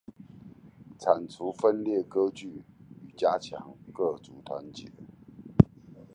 剷除分裂割據與加強各族團結